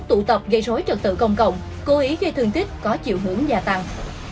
tụ tập gây rối trật tự công cộng cố ý gây thương tích có chiều hướng gia tăng